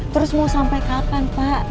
terus mau sampai kapan pak